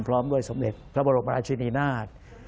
พร้อมด้วยสมเด็จพระบรมราชินีนาฏ